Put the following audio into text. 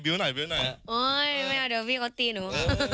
ไม่เอาเดี๋ยวพี่เขาตีหนู